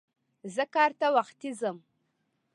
زه کار ته وختي ځم.